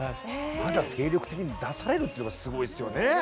まだ精力的に出されるっていうのがすごいですよね。